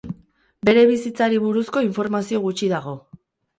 Bere bizitzari buruzko informazio gutxi dago.